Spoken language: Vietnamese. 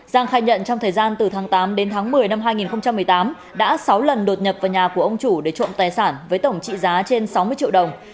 giang khai nhận trong thời gian từ tháng tám đến tháng một mươi năm hai nghìn một mươi tám đã sáu lần đột nhập vào nhà của ông chủ để trộm tài sản với tổng trị giá trên sáu mươi triệu đồng